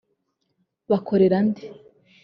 Bakorera nde